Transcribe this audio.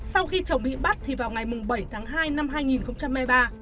sau khi chồng bị bắt thì vào ngày bảy tháng hai năm hai nghìn hai mươi ba